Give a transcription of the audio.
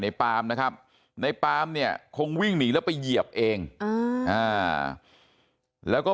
ปามนะครับในปามเนี่ยคงวิ่งหนีแล้วไปเหยียบเองแล้วก็